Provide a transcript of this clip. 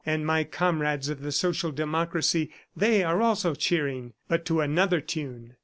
... And my comrades of the Social Democracy, they are also cheering, but to another tune.